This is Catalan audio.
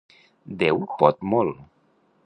Déu pot molt.